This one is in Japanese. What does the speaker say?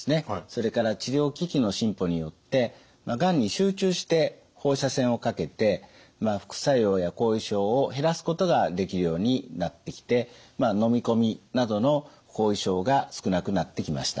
それから治療機器の進歩によってがんに集中して放射線をかけて副作用や後遺症を減らすことができるようになってきて飲み込みなどの後遺症が少なくなってきました。